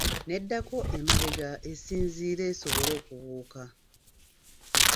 Neddako emabega esinzire esobole okubuuka.